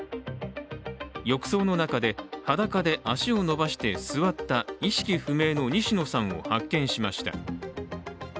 浴槽の中で裸で足を伸ばして座った意識不明の西野さんを発見しました。